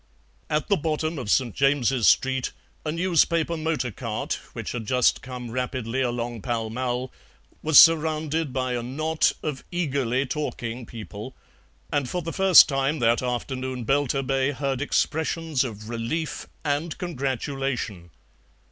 At the bottom of St. James's Street a newspaper motor cart, which had just come rapidly along Pall Mall, was surrounded by a knot of eagerly talking people, and for the first time that afternoon Belturbet heard expressions of relief and congratulation.